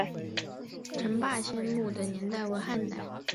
陈霸先墓的历史年代为汉代。